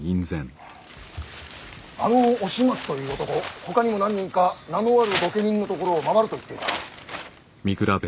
あの押松という男ほかにも何人か名のある御家人のところを回ると言っていた。